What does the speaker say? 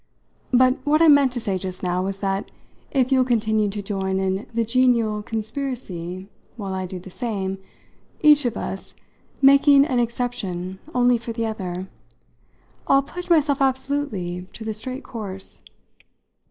But what I meant to say just now was that if you'll continue to join in the genial conspiracy while I do the same each of us making an exception only for the other I'll pledge myself absolutely to the straight course.